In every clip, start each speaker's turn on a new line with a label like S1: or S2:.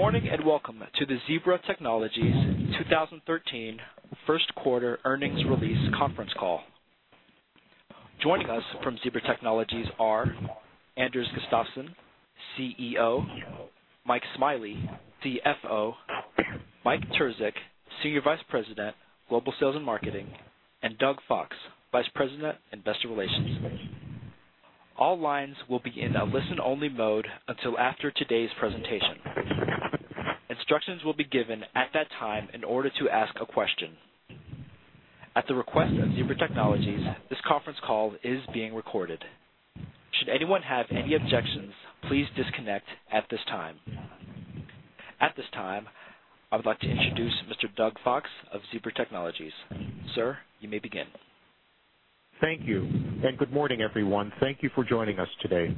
S1: Good morning, and welcome to the Zebra Technologies 2013 first quarter earnings release conference call. Joining us from Zebra Technologies are Anders Gustafsson, CEO; Mike Smiley, CFO; Mike Terzian, Senior Vice President, Global Sales and Marketing; and Doug Fox, Vice President, Investor Relations. All lines will be in a listen-only mode until after today's presentation. Instructions will be given at that time in order to ask a question. At the request of Zebra Technologies, this conference call is being recorded. Should anyone have any objections, please disconnect at this time. At this time, I would like to introduce Mr. Doug Fox of Zebra Technologies. Sir, you may begin.
S2: Thank you, and good morning, everyone. Thank you for joining us today.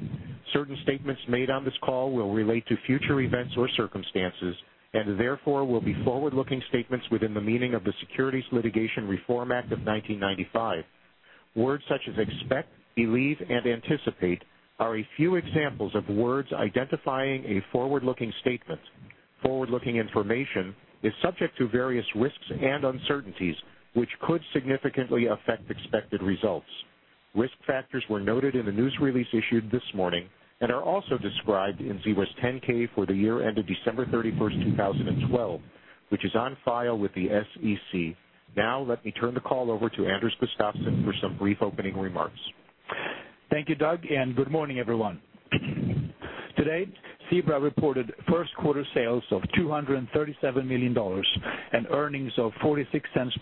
S2: Certain statements made on this call will relate to future events or circumstances, and therefore will be forward-looking statements within the meaning of the Securities Litigation Reform Act of 1995. Words such as expect, believe, and anticipate are a few examples of words identifying a forward-looking statement. Forward-looking information is subject to various risks and uncertainties, which could significantly affect expected results. Risk factors were noted in the news release issued this morning and are also described in Zebra's 10-K for the year ended December 31, 2012, which is on file with the SEC. Now, let me turn the call over to Anders Gustafsson for some brief opening remarks.
S3: Thank you, Doug, and good morning, everyone. Today, Zebra reported first quarter sales of $237 million and earnings of $0.46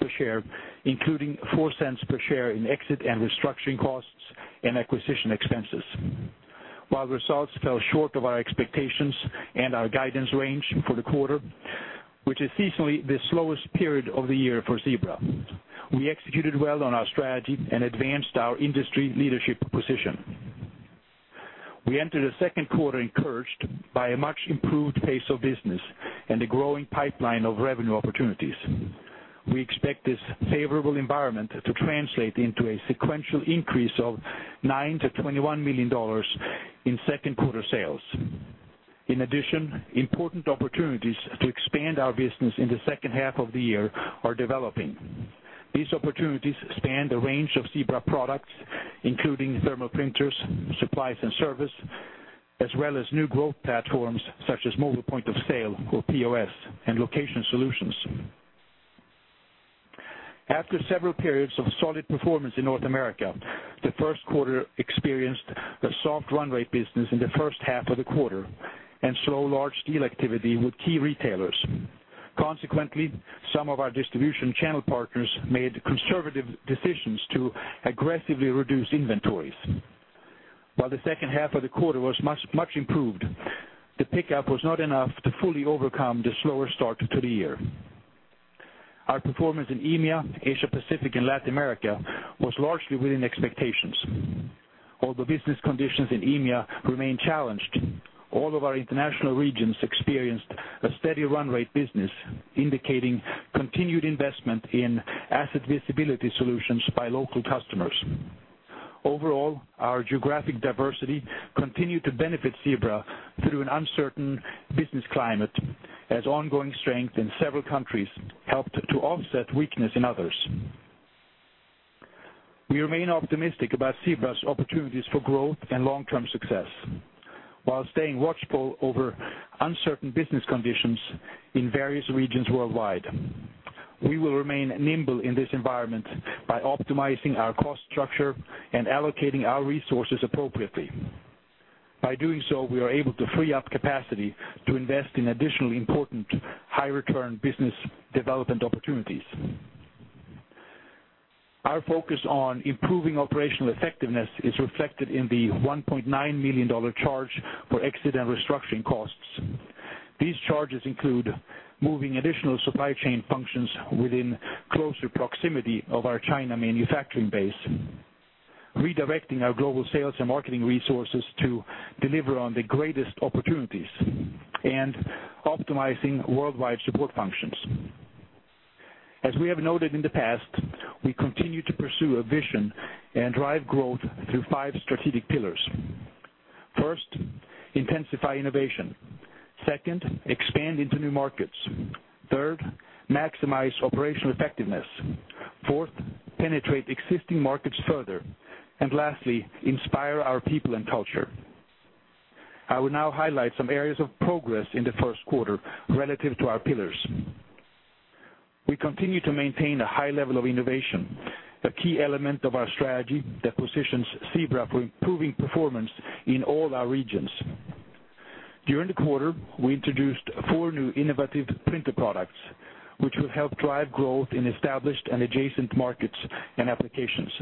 S3: per share, including $0.04 per share in exit and restructuring costs and acquisition expenses. While results fell short of our expectations and our guidance range for the quarter, which is seasonally the slowest period of the year for Zebra, we executed well on our strategy and advanced our industry leadership position. We entered the second quarter encouraged by a much improved pace of business and a growing pipeline of revenue opportunities. We expect this favorable environment to translate into a sequential increase of $9 million-$21 million in second quarter sales. In addition, important opportunities to expand our business in the second half of the year are developing. These opportunities span the range of Zebra products, including thermal printers, supplies and service, as well as new growth platforms such as mobile point of sale, or POS, and location solutions. After several periods of solid performance in North America, the first quarter experienced a soft run rate business in the first half of the quarter and slow large deal activity with key retailers. Consequently, some of our distribution channel partners made conservative decisions to aggressively reduce inventories. While the second half of the quarter was much, much improved, the pickup was not enough to fully overcome the slower start to the year. Our performance in EMEA, Asia Pacific, and Latin America was largely within expectations. Although business conditions in EMEA remain challenged, all of our international regions experienced a steady run rate business, indicating continued investment in asset visibility solutions by local customers. Overall, our geographic diversity continued to benefit Zebra through an uncertain business climate, as ongoing strength in several countries helped to offset weakness in others. We remain optimistic about Zebra's opportunities for growth and long-term success, while staying watchful over uncertain business conditions in various regions worldwide. We will remain nimble in this environment by optimizing our cost structure and allocating our resources appropriately. By doing so, we are able to free up capacity to invest in additional important, high return business development opportunities. Our focus on improving operational effectiveness is reflected in the $1.9 million charge for exit and restructuring costs. These charges include moving additional supply chain functions within closer proximity of our China manufacturing base, redirecting our global sales and marketing resources to deliver on the greatest opportunities, and optimizing worldwide support functions. As we have noted in the past, we continue to pursue a vision and drive growth through five strategic pillars. First, intensify innovation. Second, expand into new markets. Third, maximize operational effectiveness. Fourth, penetrate existing markets further. And lastly, inspire our people and culture. I will now highlight some areas of progress in the first quarter relative to our pillars. We continue to maintain a high level of innovation, a key element of our strategy that positions Zebra for improving performance in all our regions. During the quarter, we introduced four new innovative printer products, which will help drive growth in established and adjacent markets and applications.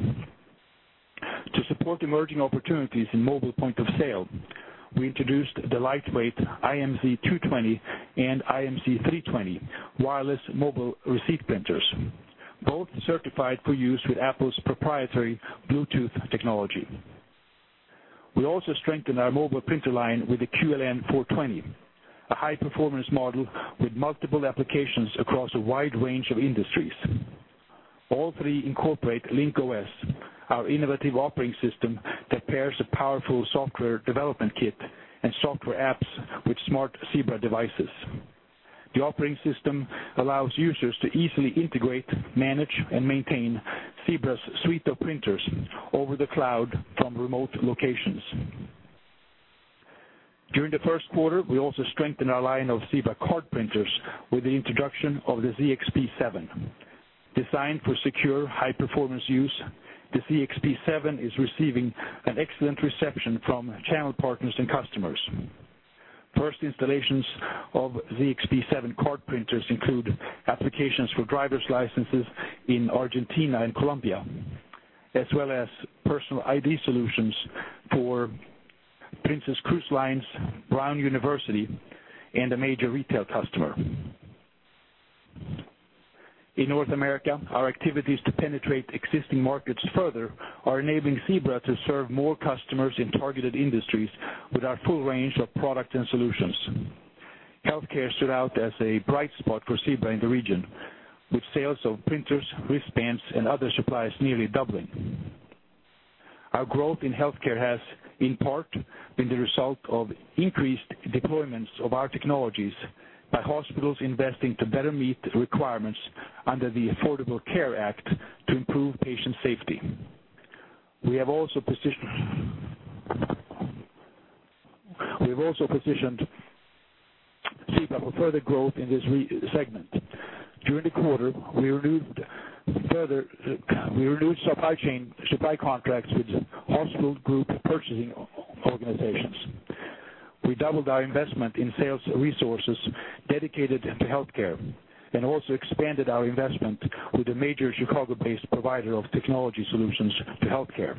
S3: To support emerging opportunities in mobile point of sale, we introduced the lightweight iMZ220 and iMZ320 wireless mobile receipt printers, both certified for use with Apple's proprietary Bluetooth technology. We also strengthened our mobile printer line with the QLn420, a high-performance model with multiple applications across a wide range of industries. All three incorporate Link-OS, our innovative operating system that pairs a powerful software development kit and software apps with smart Zebra devices. The operating system allows users to easily integrate, manage, and maintain Zebra's suite of printers over the cloud from remote locations. During the first quarter, we also strengthened our line of Zebra card printers with the introduction of the ZXP 7. Designed for secure, high-performance use, the ZXP 7 is receiving an excellent reception from channel partners and customers. First installations of ZXP 7 card printers include applications for driver's licenses in Argentina and Colombia, as well as personal ID solutions for Princess Cruises, Brown University, and a major retail customer. In North America, our activities to penetrate existing markets further are enabling Zebra to serve more customers in targeted industries with our full range of products and solutions. Healthcare stood out as a bright spot for Zebra in the region, with sales of printers, wristbands, and other supplies nearly doubling. Our growth in healthcare has, in part, been the result of increased deployments of our technologies by hospitals investing to better meet the requirements under the Affordable Care Act to improve patient safety. We've also positioned Zebra for further growth in this segment. During the quarter, we further renewed supply chain contracts with hospital group purchasing organizations. We doubled our investment in sales resources dedicated to healthcare and also expanded our investment with a major Chicago-based provider of technology solutions to healthcare.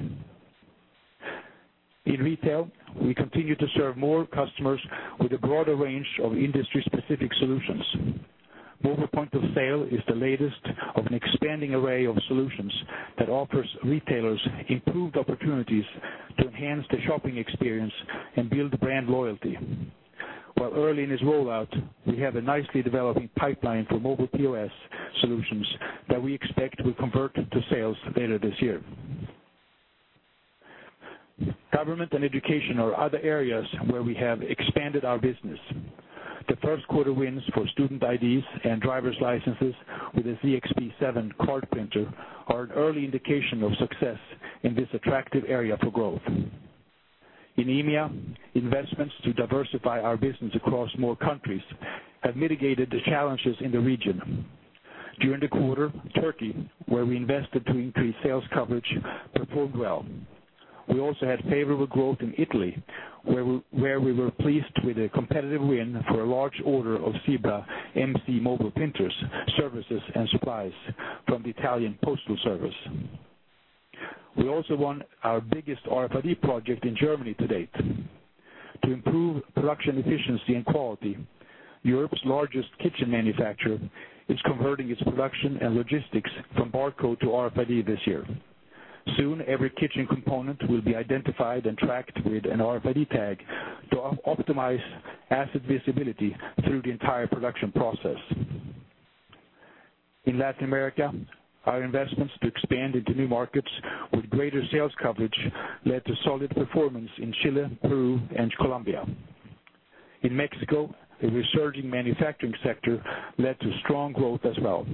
S3: In retail, we continue to serve more customers with a broader range of industry-specific solutions. Mobile point of sale is the latest of an expanding array of solutions that offers retailers improved opportunities to enhance the shopping experience and build brand loyalty. While early in its rollout, we have a nicely developing pipeline for mobile POS solutions that we expect will convert to sales later this year. Government and education are other areas where we have expanded our business. The first quarter wins for student IDs and driver's licenses with the ZXP 7 card printer are an early indication of success in this attractive area for growth. In EMEA, investments to diversify our business across more countries have mitigated the challenges in the region. During the quarter, Turkey, where we invested to increase sales coverage, performed well. We also had favorable growth in Italy, where we were pleased with a competitive win for a large order of Zebra MZ mobile printers, services, and supplies from the Italian Postal Service. We also won our biggest RFID project in Germany to date. To improve production efficiency and quality, Europe's largest kitchen manufacturer is converting its production and logistics from barcode to RFID this year. Soon, every kitchen component will be identified and tracked with an RFID tag to optimize asset visibility through the entire production process. In Latin America, our investments to expand into new markets with greater sales coverage led to solid performance in Chile, Peru, and Colombia. In Mexico, a resurging manufacturing sector led to strong growth as well.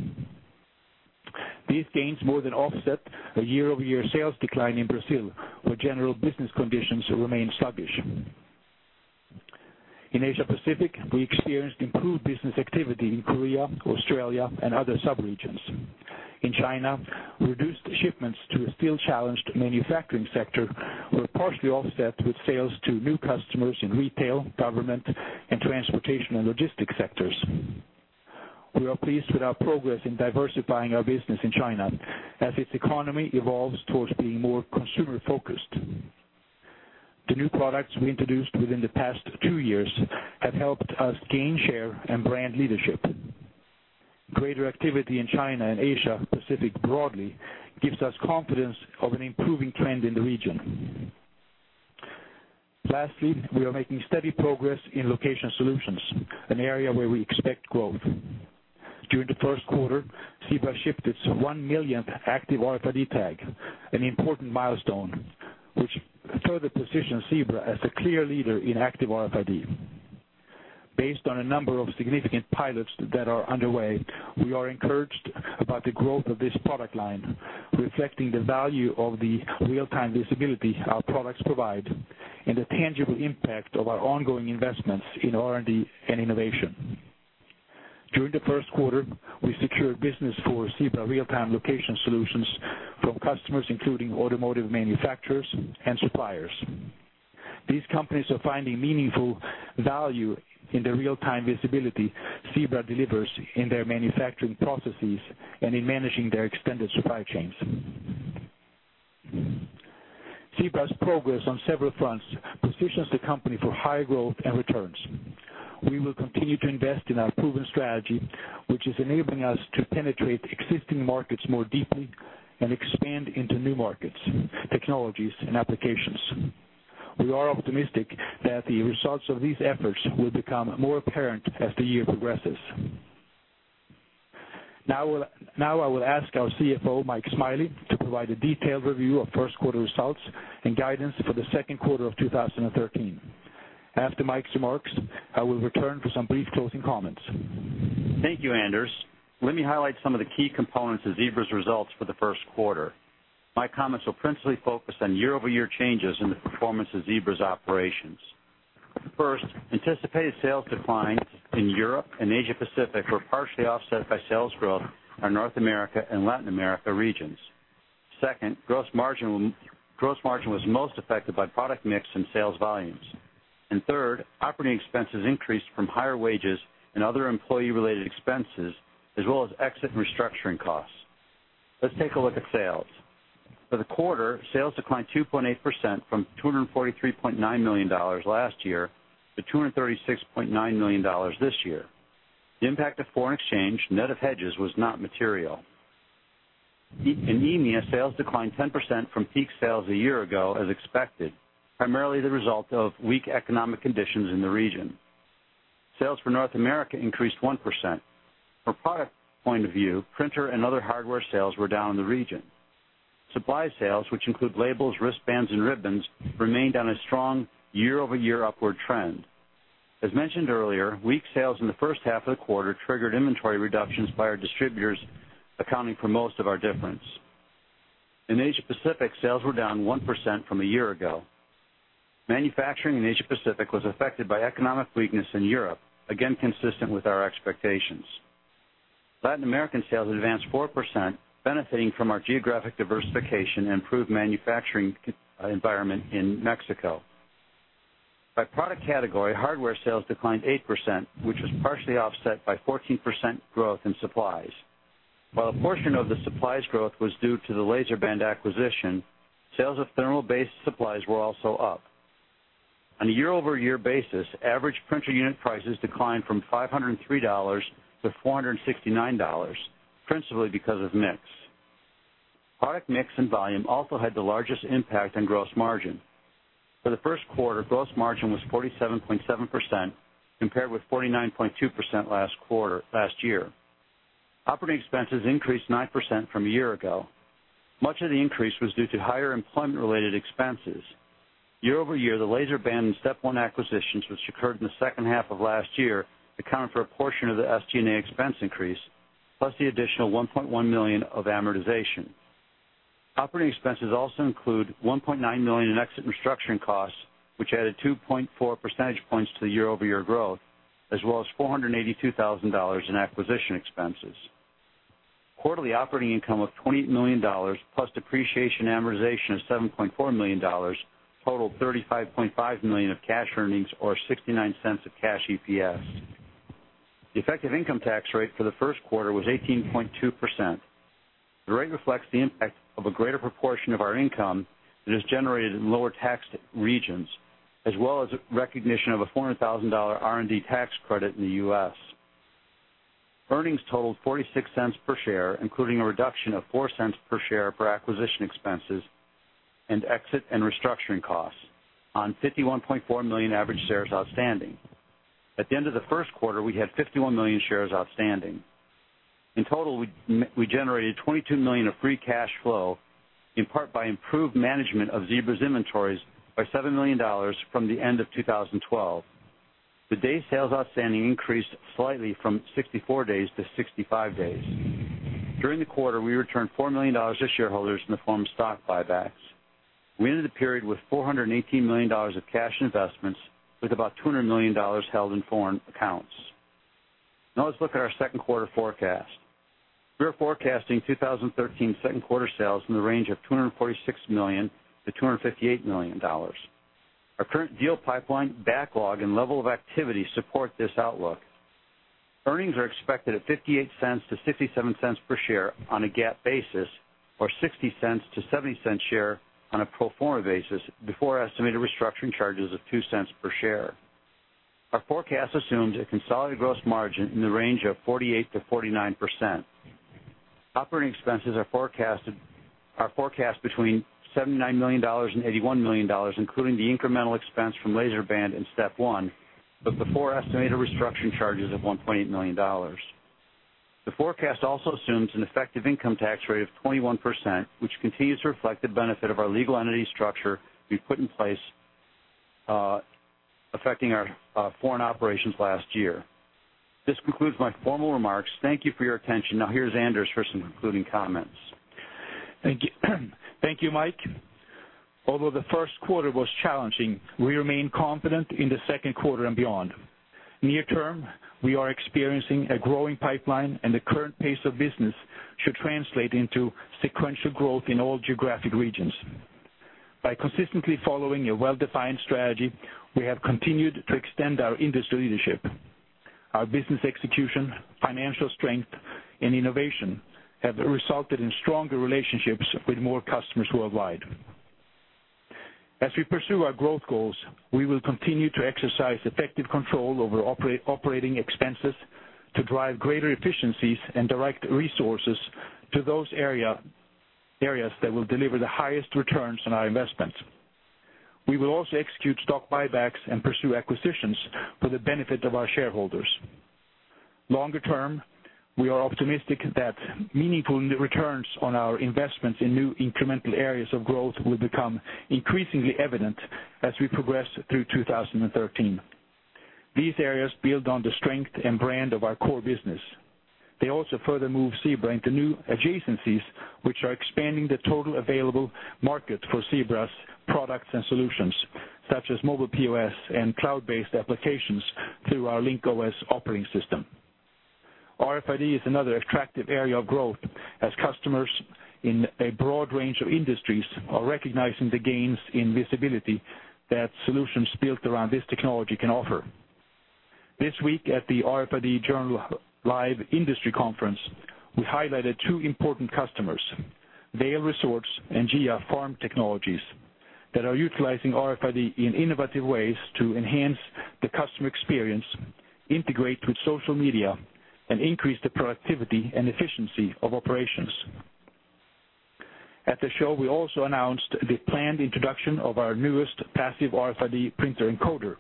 S3: These gains more than offset a year-over-year sales decline in Brazil, where general business conditions remain sluggish. In Asia Pacific, we experienced improved business activity in Korea, Australia, and other subregions. In China, reduced shipments to a still challenged manufacturing sector were partially offset with sales to new customers in retail, government, and transportation and logistics sectors. We are pleased with our progress in diversifying our business in China as its economy evolves towards being more consumer focused. The new products we introduced within the past 2 years have helped us gain share and brand leadership. Greater activity in China and Asia Pacific broadly gives us confidence of an improving trend in the region. Lastly, we are making steady progress in location solutions, an area where we expect growth. During the first quarter, Zebra shipped its 1 millionth active RFID tag, an important milestone, which further positions Zebra as the clear leader in active RFID. Based on a number of significant pilots that are underway, we are encouraged about the growth of this product line, reflecting the value of the real-time visibility our products provide and the tangible impact of our ongoing investments in R&D and innovation. During the first quarter, we secured business for Zebra real-time location solutions from customers, including automotive manufacturers and suppliers. These companies are finding meaningful value in the real-time visibility Zebra delivers in their manufacturing processes and in managing their extended supply chains. Zebra's progress on several fronts positions the company for high growth and returns. We will continue to invest in our proven strategy, which is enabling us to penetrate existing markets more deeply and expand into new markets, technologies, and applications.... We are optimistic that the results of these efforts will become more apparent as the year progresses. Now I will ask our CFO, Mike Smiley, to provide a detailed review of first quarter results and guidance for the second quarter of 2013. After Mike's remarks, I will return for some brief closing comments.
S4: Thank you, Anders. Let me highlight some of the key components of Zebra's results for the first quarter. My comments will principally focus on year-over-year changes in the performance of Zebra's operations. First, anticipated sales declines in Europe and Asia Pacific were partially offset by sales growth in North America and Latin America regions. Second, gross margin was most affected by product mix and sales volumes. Third, operating expenses increased from higher wages and other employee-related expenses, as well as exit and restructuring costs. Let's take a look at sales. For the quarter, sales declined 2.8% from $243.9 million last year to $236.9 million this year. The impact of foreign exchange, net of hedges, was not material. In EMEA, sales declined 10% from peak sales a year ago, as expected, primarily the result of weak economic conditions in the region. Sales for North America increased 1%. From a product point of view, printer and other hardware sales were down in the region. Supply sales, which include labels, wristbands, and ribbons, remained on a strong year-over-year upward trend. As mentioned earlier, weak sales in the first half of the quarter triggered inventory reductions by our distributors, accounting for most of our difference. In Asia Pacific, sales were down 1% from a year ago. Manufacturing in Asia Pacific was affected by economic weakness in Europe, again, consistent with our expectations. Latin American sales advanced 4%, benefiting from our geographic diversification and improved manufacturing environment in Mexico. By product category, hardware sales declined 8%, which was partially offset by 14% growth in supplies. While a portion of the supplies growth was due to the LaserBand acquisition, sales of thermal-based supplies were also up. On a year-over-year basis, average printer unit prices declined from $503 to $469, principally because of mix. Product mix and volume also had the largest impact on gross margin. For the first quarter, gross margin was 47.7%, compared with 49.2% last quarter, last year. Operating expenses increased 9% from a year ago. Much of the increase was due to higher employment-related expenses. Year-over-year, the LaserBand and StepOne acquisitions, which occurred in the second half of last year, accounted for a portion of the SG&A expense increase, plus the additional $1.1 million of amortization. Operating expenses also include $1.9 million in Exit and Restructuring Costs, which added 2.4 percentage points to the year-over-year growth, as well as $482,000 in acquisition expenses. Quarterly operating income of $20 million, plus depreciation and amortization of $7.4 million, totaled $35.5 million of Cash Earnings, or $0.69 cash EPS. The effective income tax rate for the first quarter was 18.2%. The rate reflects the impact of a greater proportion of our income that is generated in lower taxed regions, as well as recognition of a $400,000 R&D tax credit in the U.S. Earnings totaled $0.46 per share, including a reduction of $0.04 per share for acquisition expenses and Exit and Restructuring Costs on 51.4 million average shares outstanding. At the end of the first quarter, we had 51 million shares outstanding. In total, we generated $22 million of free cash flow, in part by improved management of Zebra's inventories by $7 million from the end of 2012. The day sales outstanding increased slightly from 64 days to 65 days. During the quarter, we returned $4 million to shareholders in the form of stock buybacks. We ended the period with $418 million of cash investments, with about $200 million held in foreign accounts. Now let's look at our second quarter forecast. We are forecasting 2013 second quarter sales in the range of $246 million-$258 million. Our current deal pipeline, backlog, and level of activity support this outlook. Earnings are expected at $0.58 to $0.67 per share on a GAAP basis, or $0.60 to $0.70 per share on a pro forma basis before estimated restructuring charges of $0.02 per share. Our forecast assumes a consolidated gross margin in the range of 48% to 49%. Operating expenses are forecast between $79 million and $81 million, including the incremental expense from LaserBand and StepOne, but before estimated restructuring charges of $1.8 million. The forecast also assumes an effective income tax rate of 21%, which continues to reflect the benefit of our legal entity structure we put in place, affecting our foreign operations last year. This concludes my formal remarks. Thank you for your attention. Now, here's Anders for some concluding comments.
S3: Thank you. Thank you, Mike. Although the first quarter was challenging, we remain confident in the second quarter and beyond. Near term, we are experiencing a growing pipeline, and the current pace of business should translate into sequential growth in all geographic regions. By consistently following a well-defined strategy, we have continued to extend our industry leadership. Our business execution, financial strength, and innovation have resulted in stronger relationships with more customers worldwide. As we pursue our growth goals, we will continue to exercise effective control over operating expenses to drive greater efficiencies and direct resources to those areas that will deliver the highest returns on our investment. We will also execute stock buybacks and pursue acquisitions for the benefit of our shareholders. Longer term, we are optimistic that meaningful new returns on our investments in new incremental areas of growth will become increasingly evident as we progress through 2013. These areas build on the strength and brand of our core business. They also further move Zebra into new adjacencies, which are expanding the total available market for Zebra's products and solutions, such as mobile POS and cloud-based applications through our Link-OS operating system. RFID is another attractive area of growth, as customers in a broad range of industries are recognizing the gains in visibility that solutions built around this technology can offer. This week, at the RFID Journal Live Industry Conference, we highlighted two important customers, Vail Resorts and GEA Farm Technologies, that are utilizing RFID in innovative ways to enhance the customer experience, integrate with social media, and increase the productivity and efficiency of operations. At the show, we also announced the planned introduction of our newest passive RFID printer encoder,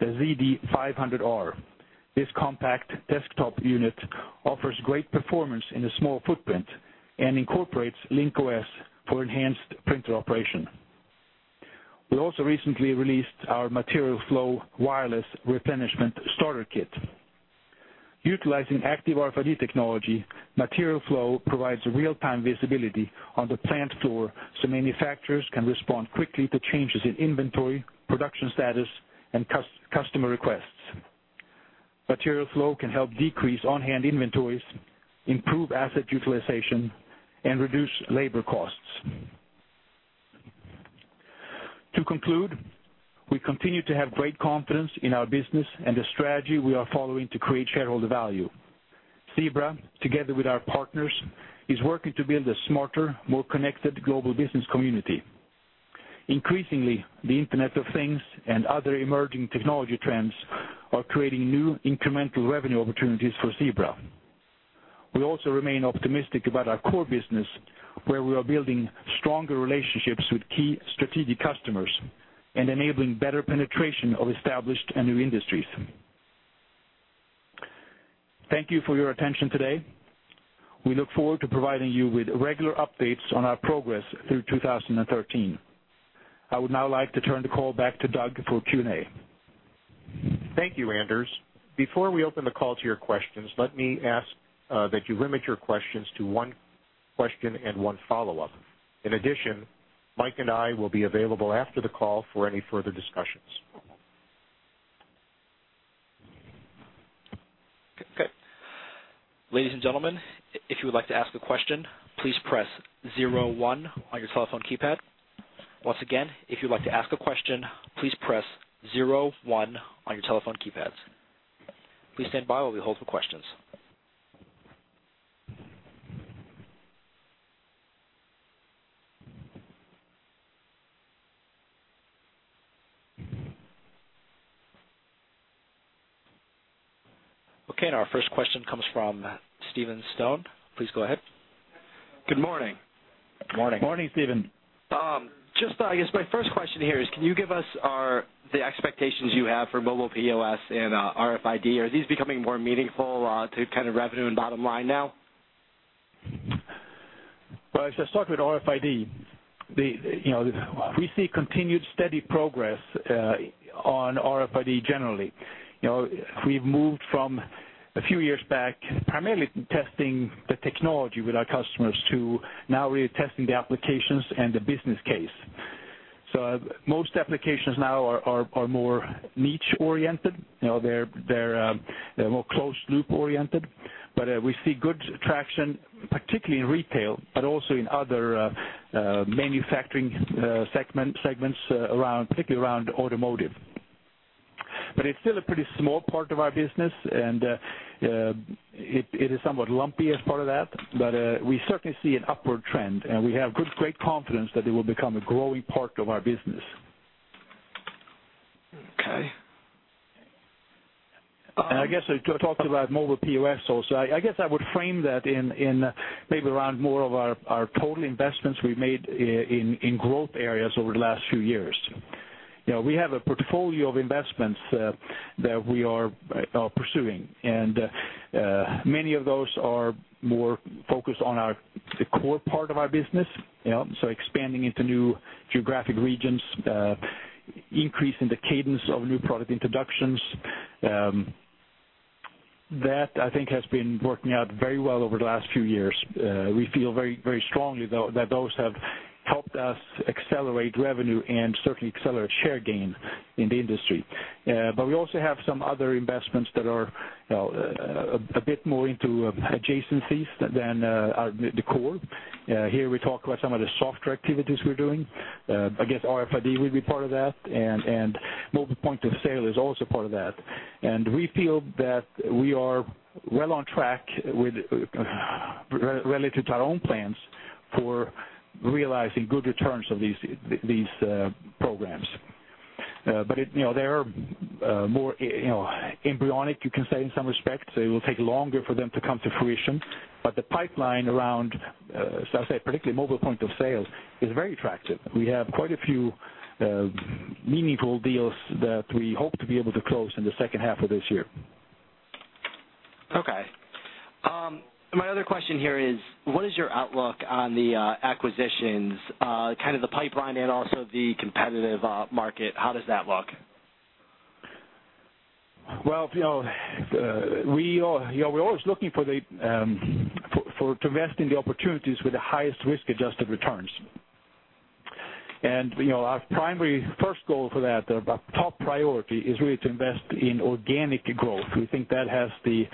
S3: the ZD500R. This compact desktop unit offers great performance in a small footprint and incorporates Link-OS for enhanced printer operation. We also recently released our Material Flow Wireless Replenishment Starter Kit. Utilizing active RFID technology, Material Flow provides real-time visibility on the plant floor, so manufacturers can respond quickly to changes in inventory, production status, and customer requests. Material Flow can help decrease on-hand inventories, improve asset utilization, and reduce labor costs. To conclude, we continue to have great confidence in our business and the strategy we are following to create shareholder value. Zebra, together with our partners, is working to build a smarter, more connected global business community. Increasingly, the Internet of Things and other emerging technology trends are creating new incremental revenue opportunities for Zebra. We also remain optimistic about our core business, where we are building stronger relationships with key strategic customers and enabling better penetration of established and new industries. Thank you for your attention today. We look forward to providing you with regular updates on our progress through 2013. I would now like to turn the call back to Douglas for Q&A.
S2: Thank you, Anders. Before we open the call to your questions, let me ask that you limit your questions to one question and one follow-up. In addition, Mike and I will be available after the call for any further discussions.
S1: Okay. Ladies and gentlemen, if you would like to ask a question, please press zero one on your telephone keypad. Once again, if you'd like to ask a question, please press zero one on your telephone keypads. Please stand by while we hold for questions. Okay, now our first question comes from Steven Stone. Please go ahead.
S5: Good morning.
S3: Morning.
S2: Morning, Steven.
S5: Just, I guess my first question here is: Can you give us our, the expectations you have for mobile POS and RFID? Are these becoming more meaningful to kind of revenue and bottom line now?
S3: Well, if I start with RFID, you know, we see continued steady progress on RFID generally. You know, we've moved from a few years back, primarily testing the technology with our customers, to now we're testing the applications and the business case. So most applications now are more niche oriented. You know, they're more closed loop oriented. But we see good traction, particularly in retail, but also in other manufacturing segments around, particularly around automotive. But it's still a pretty small part of our business, and it is somewhat lumpy as part of that, but we certainly see an upward trend, and we have good, great confidence that it will become a growing part of our business.
S5: Okay.
S3: I guess to talk about mobile POS also. I guess I would frame that in maybe around more of our total investments we made in growth areas over the last few years. You know, we have a portfolio of investments that we are pursuing, and many of those are more focused on the core part of our business. You know, so expanding into new geographic regions, increasing the cadence of new product introductions. That, I think, has been working out very well over the last few years. We feel very, very strongly, though, that those have helped us accelerate revenue and certainly accelerate share gain in the industry. But we also have some other investments that are, you know, a bit more into adjacencies than the core. Here, we talk about some of the software activities we're doing. I guess RFID will be part of that, and mobile point of sale is also part of that. And we feel that we are well on track with, relative to our own plans for realizing good returns on these programs. But it, you know, they are more, you know, embryonic, you can say in some respects. They will take longer for them to come to fruition, but the pipeline around, so I'll say particularly mobile point of sales, is very attractive. We have quite a few meaningful deals that we hope to be able to close in the second half of this year.
S5: Okay. My other question here is: what is your outlook on the acquisitions, kind of the pipeline and also the competitive market? How does that look?
S3: Well, you know, we are, you know, we're always looking for the, for to invest in the opportunities with the highest risk-adjusted returns. And, you know, our primary first goal for that, our top priority, is really to invest in organic growth. We think that has the,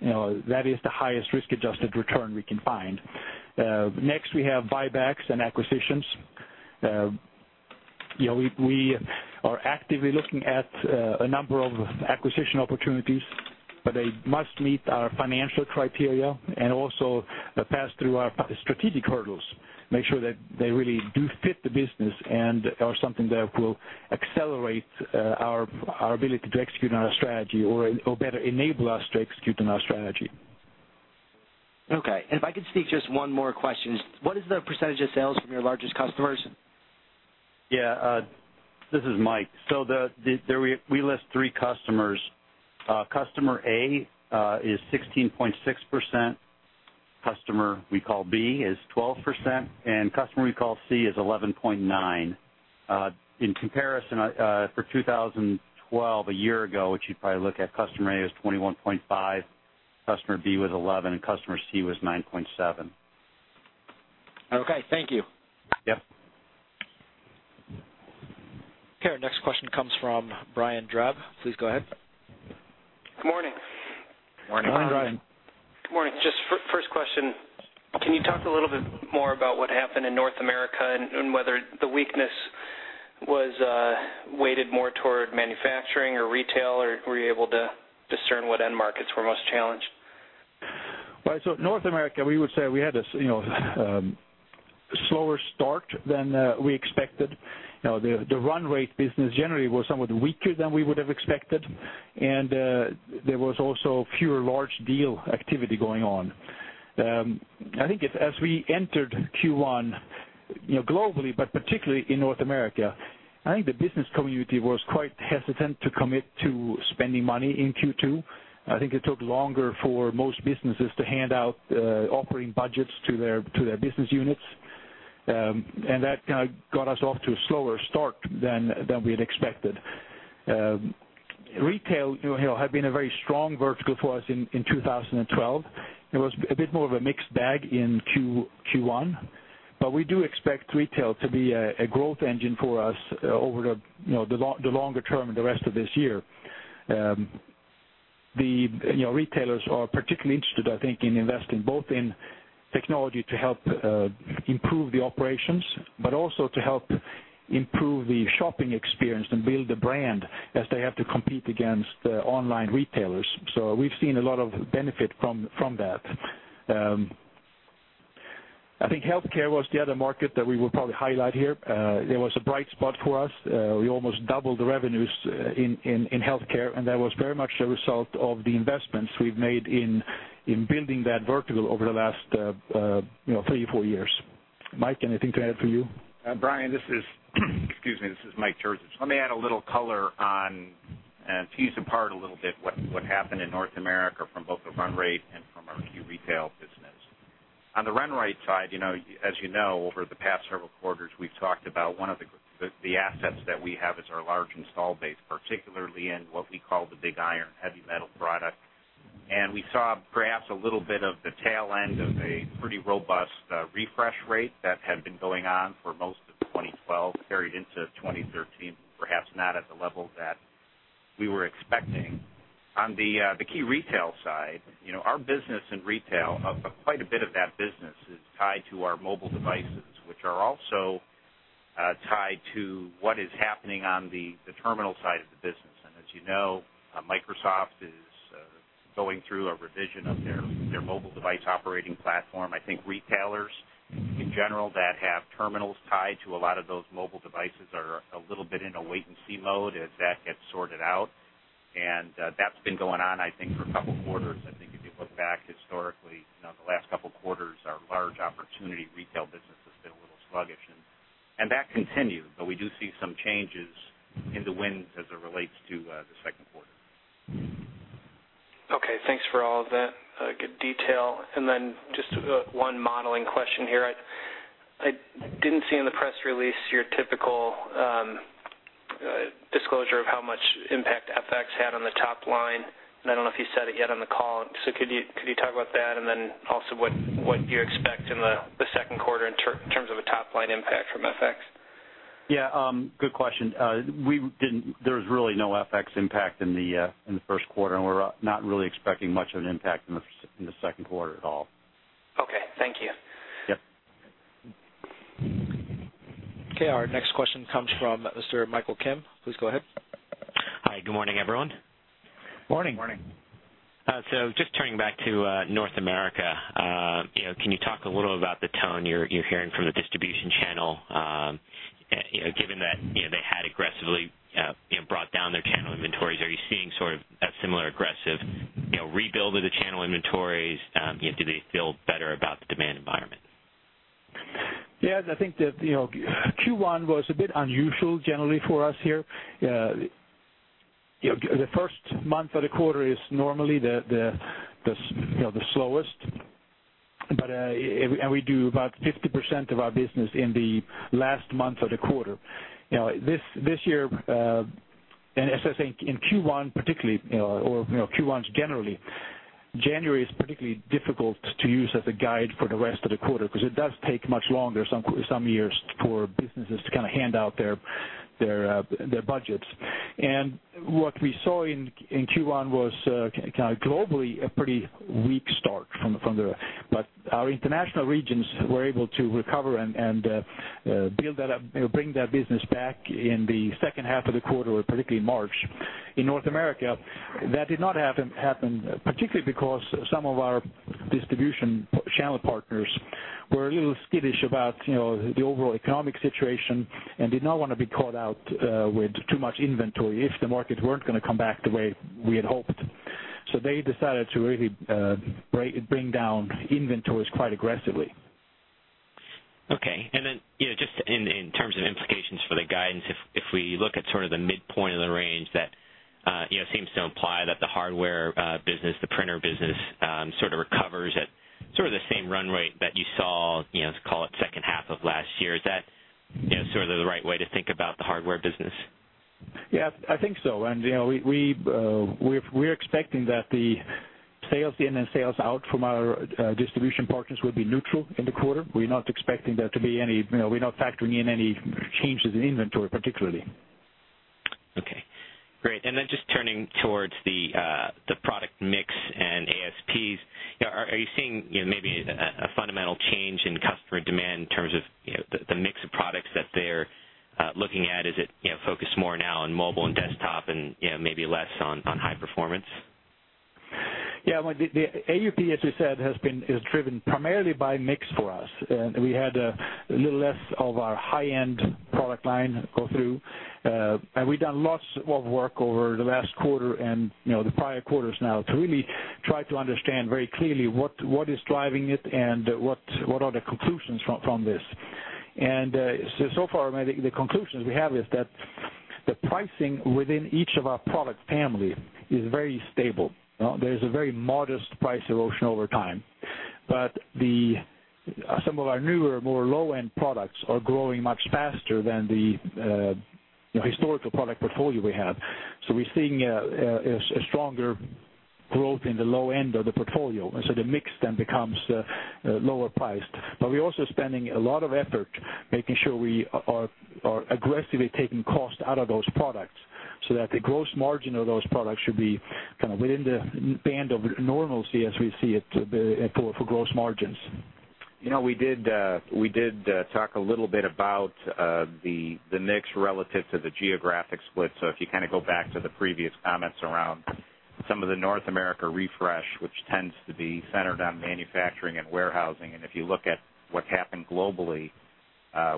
S3: you know, that is the highest risk-adjusted return we can find. Next, we have buybacks and acquisitions. You know, we are actively looking at a number of acquisition opportunities, but they must meet our financial criteria and also pass through our strategic hurdles, make sure that they really do fit the business and are something that will accelerate our ability to execute on our strategy or better enable us to execute on our strategy.
S5: Okay. If I could sneak just one more question. What is the percentage of sales from your largest customers?
S4: Yeah, this is Mike. So we list three customers. Customer A is 16.6%, customer we call B is 12%, and customer we call C is 11.9%. In comparison, for 2012, a year ago, which you'd probably look at, Customer A was 21.5%, Customer B was 11%, and Customer C was 9.7%.
S5: Okay, thank you.
S4: Yep.
S1: Okay, our next question comes from Brian Drab. Please go ahead.
S6: Good morning.
S4: Morning, Brian.
S3: Good morning.
S6: Good morning. Just first question, can you talk a little bit more about what happened in North America and whether the weakness was weighted more toward manufacturing or retail, or were you able to discern what end markets were most challenged?
S3: Well, so North America, we would say we had a, you know, slower start than we expected. You know, the run rate business generally was somewhat weaker than we would have expected, and there was also fewer large deal activity going on. I think as we entered Q1, you know, globally, but particularly in North America, I think the business community was quite hesitant to commit to spending money in Q2. I think it took longer for most businesses to hand out operating budgets to their business units, and that kind of got us off to a slower start than we had expected. Retail, you know, had been a very strong vertical for us in 2012. It was a bit more of a mixed bag in Q1, but we do expect retail to be a growth engine for us, over the, you know, the long, the longer term and the rest of this year. You know, retailers are particularly interested, I think, in investing both in technology to help improve the operations, but also to help improve the shopping experience and build the brand as they have to compete against the online retailers. So we've seen a lot of benefit from that. I think healthcare was the other market that we would probably highlight here. It was a bright spot for us. We almost doubled the revenues in healthcare, and that was very much a result of the investments we've made in building that vertical over the last, you know, three or four years. Mike, anything to add from you?
S4: Brian, this is, excuse me, this is Mike Terzian. Let me add a little color on and tease apart a little bit what happened in North America from both the run rate and from our key retail business. On the run rate side, you know, as you know, over the past several quarters, we've talked about one of the assets that we have is our large install base, particularly in what we call the big iron, heavy metal products. And we saw perhaps a little bit of the tail end of a pretty robust refresh rate that had been going on for most of 2012, carried into 2013, perhaps not at the level that we were expecting. On the key retail side, you know, our business in retail, quite a bit of that business is tied to our mobile devices, which are also tied to what is happening on the terminal side of the business. And as you know, Microsoft is going through a revision of their mobile device operating platform. I think retailers, in general, that have terminals tied to a lot of those mobile devices are a little bit in a wait-and-see mode as that gets sorted out. And that's been going on, I think, for a couple quarters. I think if you look back historically, you know, the last couple of quarters, our large opportunity retail business has been a little sluggish, and that continued, but we do see some changes in the wind as it relates to the second quarter.
S6: Okay, thanks for all of that, good detail. And then just one modeling question here. I didn't see in the press release your typical disclosure of how much impact FX had on the top line, and I don't know if you said it yet on the call. So could you talk about that, and then also what you expect in the second quarter in terms of a top-line impact from FX?
S4: Yeah, good question. There was really no FX impact in the first quarter, and we're not really expecting much of an impact in the second quarter at all.
S6: Okay. Thank you.
S4: Yep.
S1: Okay, our next question comes from Mr. Michael Kim. Please go ahead.
S7: Hi, good morning, everyone.
S4: Morning.
S3: Morning.
S7: So just turning back to North America, you know, can you talk a little about the tone you're hearing from the distribution channel? You know, given that, you know, they had aggressively brought down their channel inventories, are you seeing sort of a similar aggressive rebuild of the channel inventories? You know, do they feel better about the demand environment?
S3: Yes, I think that, you know, Q1 was a bit unusual generally for us here. You know, the first month of the quarter is normally the you know, the slowest. But, and we do about 50% of our business in the last month of the quarter. You know, this year, and as I think in Q1, particularly, or, you know, Q1s generally, January is particularly difficult to use as a guide for the rest of the quarter, because it does take much longer, some years for businesses to kind of hand out their their budgets. And what we saw in Q1 was kind of globally, a pretty weak start from the from the... But our international regions were able to recover and build that up, you know, bring that business back in the second half of the quarter, or particularly in March. In North America, that did not happen, particularly because some of our distribution channel partners were a little skittish about, you know, the overall economic situation and did not want to be caught out, with too much inventory if the markets weren't going to come back the way we had hoped. So they decided to really bring down inventories quite aggressively.
S7: Okay. And then, you know, just in terms of implications for the guidance, if we look at sort of the midpoint of the range, that, you know, seems to imply that the hardware business, the printer business, sort of recovers at sort of the same run rate that you saw, you know, let's call it second half of last year. Is that, you know, sort of the right way to think about the hardware business?
S3: Yeah, I think so. And, you know, we're expecting that the sales in and sales out from our distribution partners will be neutral in the quarter. We're not expecting there to be any, you know, we're not factoring in any changes in inventory, particularly.
S7: Okay, great. And then just turning towards the product mix and ASPs. You know, are you seeing, you know, maybe a fundamental change in customer demand in terms of, you know, the mix of products that they're looking at? Is it, you know, focused more now on mobile and desktop and, you know, maybe less on high performance?
S3: Yeah, the AUP, as you said, has been, is driven primarily by mix for us. And we had a little less of our high-end product line go through. And we've done lots of work over the last quarter and, you know, the prior quarters now to really try to understand very clearly what is driving it and what are the conclusions from this. And so far, I mean, the conclusions we have is that the pricing within each of our product family is very stable. You know, there's a very modest price erosion over time. But some of our newer, more low-end products are growing much faster than the, you know, historical product portfolio we had. So we're seeing a stronger growth in the low end of the portfolio, and so the mix then becomes lower priced. But we're also spending a lot of effort making sure we are aggressively taking cost out of those products so that the gross margin of those products should be kind of within the band of normalcy as we see it for gross margins.
S4: You know, we did talk a little bit about the mix relative to the geographic split. So if you kind of go back to the previous comments around some of the North America refresh, which tends to be centered on manufacturing and warehousing. And if you look at what's happened globally,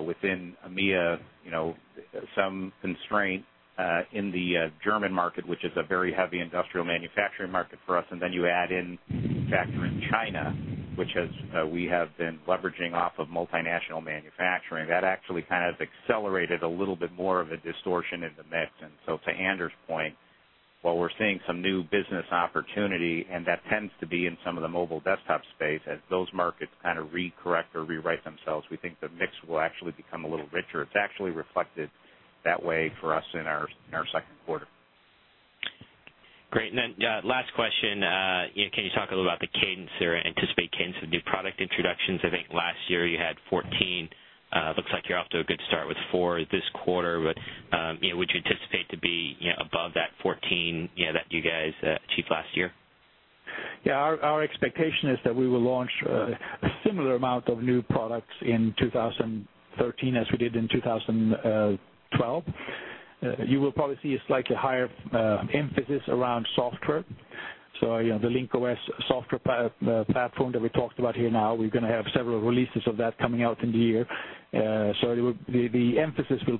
S4: within EMEA, you know, some constraint in the German market, which is a very heavy industrial manufacturing market for us. And then you add in factor in China, which has we have been leveraging off of multinational manufacturing. That actually kind of accelerated a little bit more of a distortion in the mix. And so to Anders' point, while we're seeing some new business opportunity, and that tends to be in some of the mobile desktop space, as those markets kind of re-correct or rewrite themselves, we think the mix will actually become a little richer. It's actually reflected that way for us in our second quarter.
S7: Great. And then, last question, you know, can you talk a little about the cadence or anticipate cadence of new product introductions? I think last year you had 14. Looks like you're off to a good start with four this quarter, but, you know, would you anticipate to be, you know, above that 14, you know, that you guys achieved last year?
S3: Yeah, our expectation is that we will launch a similar amount of new products in 2013 as we did in 2012. You will probably see a slightly higher emphasis around software. So, you know, the Link-OS software platform that we talked about here now, we're going to have several releases of that coming out in the year. So the emphasis will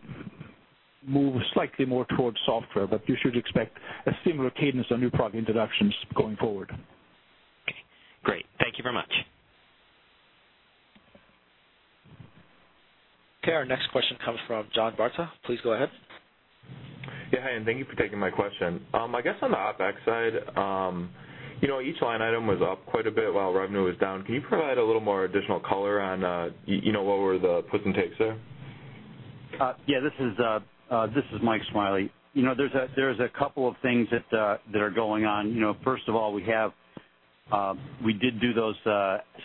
S3: move slightly more towards software, but you should expect a similar cadence on new product introductions going forward.
S7: Great. Thank you very much.
S1: Okay, our next question comes from John Barta. Please go ahead.
S8: Yeah, hi, and thank you for taking my question. I guess on the OpEx side, you know, each line item was up quite a bit while revenue was down. Can you provide a little more additional color on, you know, what were the puts and takes there?
S4: Yeah, this is Mike Smiley. You know, there's a couple of things that are going on. You know, first of all, we have, we did do those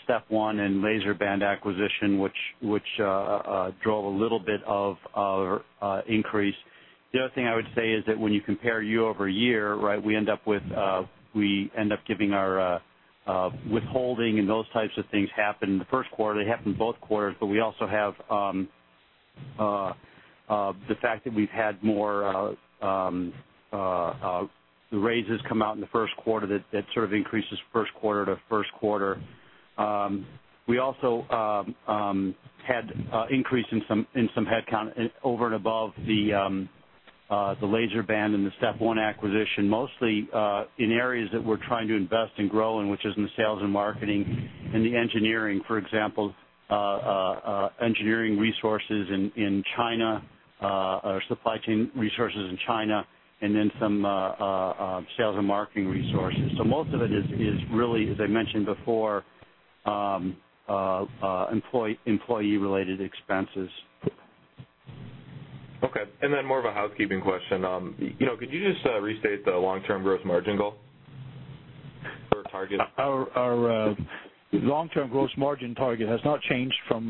S4: StepOne and LaserBand acquisitions, which drove a little bit of increase. The other thing I would say is that when you compare year-over-year, right, we end up with, we end up giving our withholding and those types of things happen in the first quarter. They happen in both quarters, but we also have... the fact that we've had more raises come out in the first quarter, that sort of increases first quarter to first quarter. We also had increase in some headcount over and above the LaserBand and the StepOne acquisition, mostly in areas that we're trying to invest and grow in, which is in the sales and marketing and the engineering. For example, engineering resources in China, our supply chain resources in China, and then some sales and marketing resources. So most of it is really, as I mentioned before, employee-related expenses.
S8: Okay. And then more of a housekeeping question. You know, could you just restate the long-term growth margin goal or target?
S3: Our long-term growth margin target has not changed from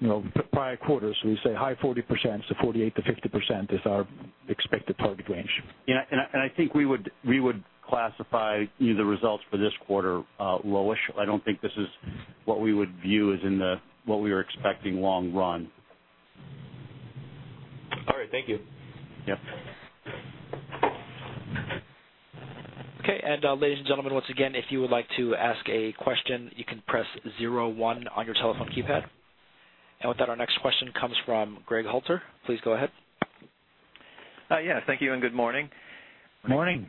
S3: you know, prior quarters. We say high 40% to 48%-50% is our expected target range.
S4: Yeah, and I think we would classify the results for this quarter lowish. I don't think this is what we would view as in the what we were expecting long run.
S8: All right. Thank you.
S4: Yep.
S1: Okay, and, ladies and gentlemen, once again, if you would like to ask a question, you can press zero one on your telephone keypad. And with that, our next question comes from Greg Halter. Please go ahead.
S9: Yeah, thank you, and good morning.
S3: Morning.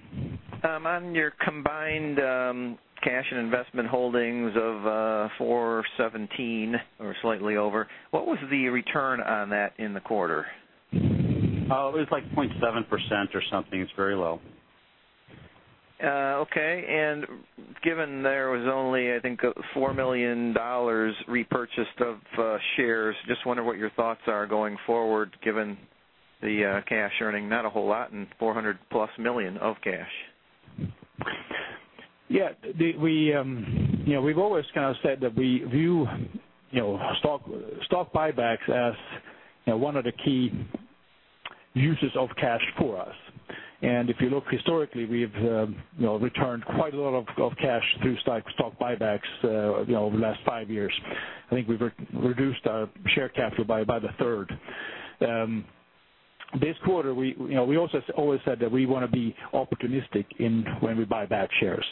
S9: On your combined cash and investment holdings of $417 or slightly over, what was the return on that in the quarter?
S4: It was like 0.7% or something. It's very low.
S9: Okay. And given there was only, I think, $4 million repurchased of shares, just wonder what your thoughts are going forward, given the cash earning, not a whole lot, and $400+ million of cash.
S3: Yeah, we, you know, we've always kind of said that we view, you know, stock buybacks as, you know, one of the key uses of cash for us. And if you look historically, we've, you know, returned quite a lot of cash through stock buybacks, you know, over the last five years. I think we've reduced our share capital by the third. This quarter, we, you know, we also always said that we want to be opportunistic in when we buy back shares.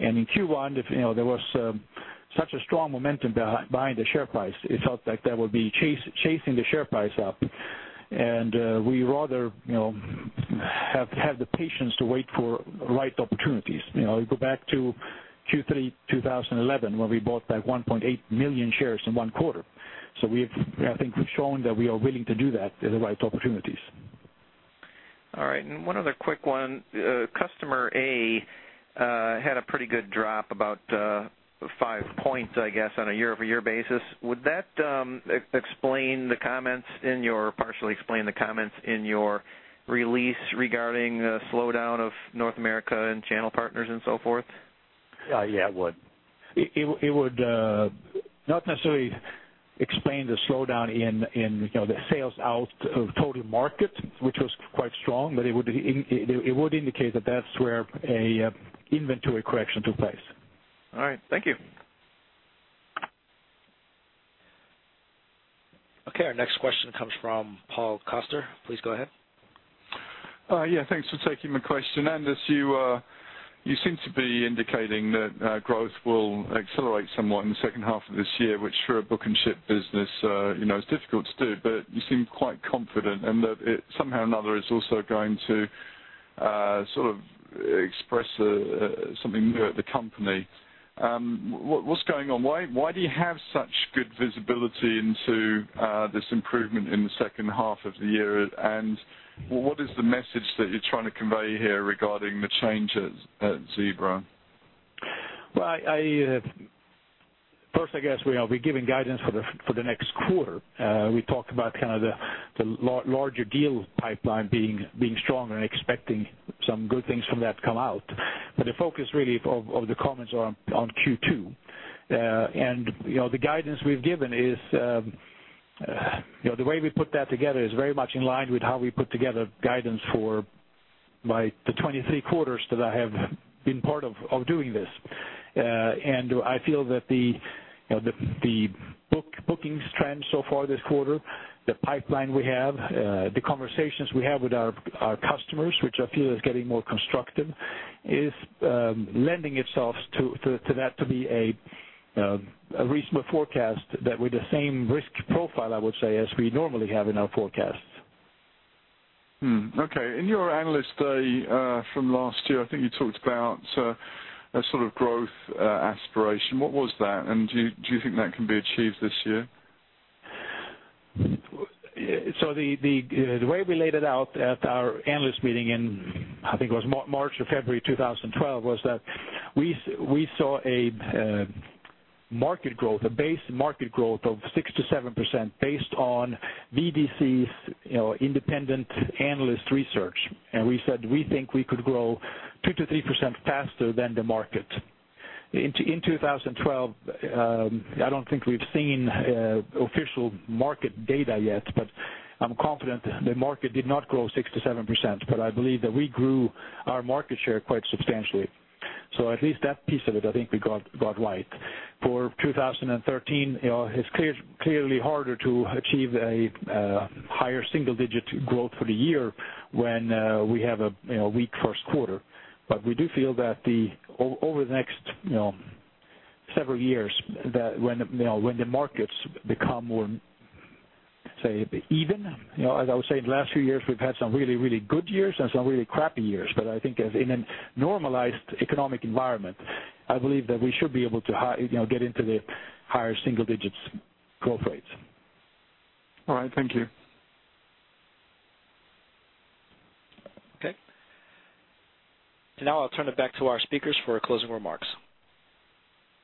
S3: And in Q1, if, you know, there was such a strong momentum behind the share price, it felt like that would be chasing the share price up. And, we rather, you know, have the patience to wait for right opportunities. You know, you go back to Q3, 2011, where we bought, like, 1.8 million shares in one quarter. So we've, I think we've shown that we are willing to do that at the right opportunities.
S9: All right. And one other quick one. Customer A had a pretty good drop, about five points, I guess, on a year-over-year basis. Would that explain the comments in your... partially explain the comments in your release regarding the slowdown of North America and channel partners and so forth?
S4: Yeah, it would.
S3: It would not necessarily explain the slowdown in, you know, the sales out of total market, which was quite strong, but it would indicate that that's where a inventory correction took place.
S9: All right. Thank you.
S1: Okay, our next question comes from Paul Coster. Please go ahead.
S10: Yeah, thanks for taking my question. Anders, you seem to be indicating that growth will accelerate somewhat in the second half of this year, which for a book and ship business, you know, is difficult to do, but you seem quite confident, and that it, somehow or another, is also going to sort of express something new at the company. What, what's going on? Why do you have such good visibility into this improvement in the second half of the year? And what is the message that you're trying to convey here regarding the change at Zebra?
S3: Well, first, I guess, we are giving guidance for the next quarter. We talked about kind of larger deal pipeline being stronger and expecting some good things from that come out. But the focus really of the comments are on Q2. And, you know, the guidance we've given is, you know, the way we put that together is very much in line with how we put together guidance for, like, the 23 quarters that I have been part of doing this. And I feel that the, you know, the bookings trend so far this quarter, the pipeline we have, the conversations we have with our customers, which I feel is getting more constructive, is lending itself to that, to be a reasonable forecast that with the same risk profile, I would say, as we normally have in our forecasts.
S10: Okay. In your Analyst Day from last year, I think you talked about a sort of growth aspiration. What was that? And do you think that can be achieved this year?
S3: So the way we laid it out at our analyst meeting in, I think it was March or February 2012, was that we saw a market growth, a base market growth of 6%-7%, based on VDC's, you know, independent analyst research. And we said we think we could grow 2% to 3% faster than the market. In 2012, I don't think we've seen official market data yet, but I'm confident the market did not grow 6%-7%, but I believe that we grew our market share quite substantially. So at least that piece of it, I think we got right. For 2013, you know, it's clearly harder to achieve a higher single-digit growth for the year when we have a, you know, weak first quarter. But we do feel that the... over the next, you know, several years, that when, you know, when the markets become more, say, even, you know, as I was saying, the last few years, we've had some really, really good years and some really crappy years. But I think in a normalized economic environment, I believe that we should be able to high, you know, get into the higher single digits growth rates.
S10: All right. Thank you.
S1: Okay. Now I'll turn it back to our speakers for our closing remarks.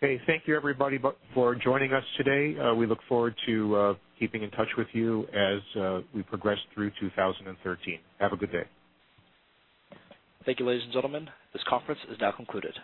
S4: Okay, thank you, everybody, for joining us today. We look forward to keeping in touch with you as we progress through 2013. Have a good day.
S1: Thank you, ladies and gentlemen. This conference is now concluded.